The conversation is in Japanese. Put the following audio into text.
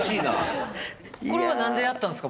これは何でやったんですか？